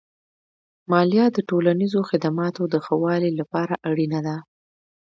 مالیه د ټولنیزو خدماتو د ښه والي لپاره اړینه ده.